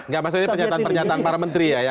tidak ini pernyataan pernyataan para menteri ya